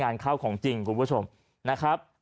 ขั้้าวของจริงผู้ผู้ชมนะครับ